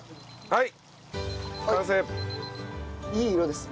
はい。